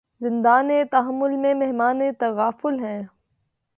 زندانِ تحمل میں مہمانِ تغافل ہیں